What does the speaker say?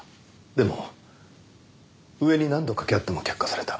でも上に何度掛け合っても却下された。